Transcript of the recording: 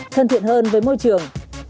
thân thiện hơn với môi trường